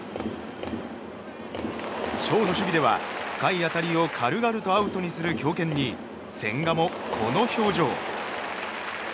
ショートの守備では深い当たりを軽々とアウトにする強肩に千賀もこの表情。